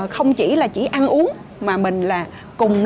không chỉ là chỉ ăn uống mà mình là cùng